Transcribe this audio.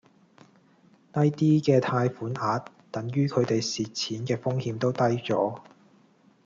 低啲嘅貸款額等於佢地蝕錢嘅風險都低左